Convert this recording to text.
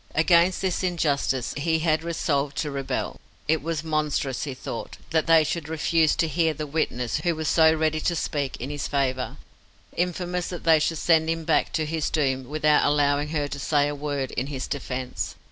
Against this injustice he had resolved to rebel. It was monstrous, he thought, that they should refuse to hear the witness who was so ready to speak in his favour, infamous that they should send him back to his doom without allowing her to say a word in his defence.